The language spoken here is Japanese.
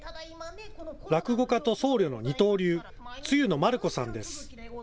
落語家と僧侶の二刀流、露の団姫さんです。